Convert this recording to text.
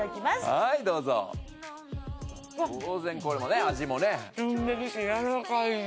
はーいどうぞわっ当然これもね味もねしゅんでるし軟らかいし